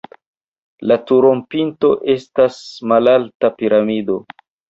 La turopinto estas malalta piramido.